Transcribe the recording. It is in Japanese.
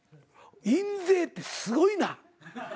印税ってすごいな。